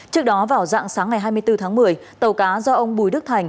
trước đó vào dạng sáng ngày hai mươi bốn tháng một mươi tàu cá do ông bùi đức thành